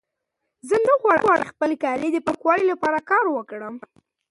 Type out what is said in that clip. زه غواړم چې د خپل کلي د پاکوالي لپاره کار وکړم.